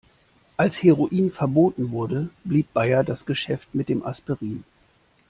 Als Heroin verboten wurde, blieb Bayer das Geschäft mit dem Aspirin.